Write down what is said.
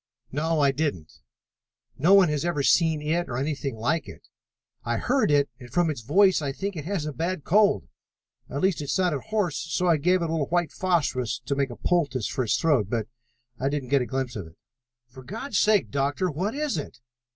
"No, I didn't. No one has ever seen it or anything like it. I heard it and, from its voice, I think it has a bad cold. At least, it sounded hoarse, so I gave it a little white phosphorus to make a poultice for its throat, but I didn't get a glimpse of it." "For God's sake, Doctor, what is it?"